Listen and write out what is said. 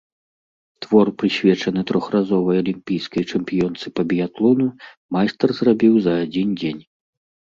Твор, прысвечаны трохразовай алімпійскай чэмпіёнцы па біятлону, майстар зрабіў за адзін дзень.